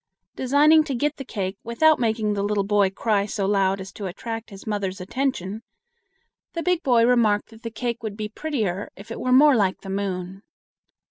Designing to get the cake without making the little boy cry so loud as to attract his mother's attention, the big boy remarked that the cake would be prettier if it were more like the moon.